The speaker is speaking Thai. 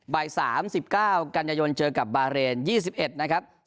บ่าย๓๙กันยายนเจอกับบาเรน๒๑นะครับ